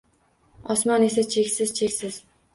Osmon esa cheksiz-cheksiz…